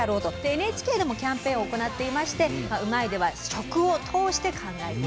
ＮＨＫでもキャンペーンを行っていまして「うまいッ！」では食を通して考えていこうと。